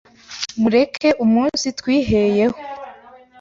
mureke umunsitwiheye ho